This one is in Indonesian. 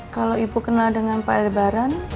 kalau ibu kenal dengan pak elbaran